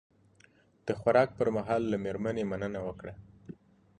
د خوراک پر مهال له میرمنې مننه وکړه.